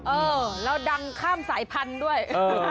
เออแล้วดังข้ามสายพันธุ์ด้วย